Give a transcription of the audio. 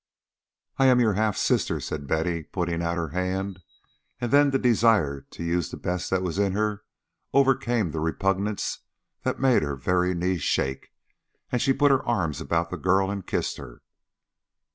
"I am your half sister," said Betty, putting out her hand. And then the desire to use the best that was in her overcame the repugnance that made her very knees shake, and she put her arms about the girl and kissed her.